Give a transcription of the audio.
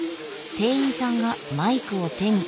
店員さんがマイクを手に。